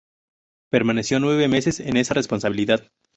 Permaneció nueve meses en esta responsabilidad.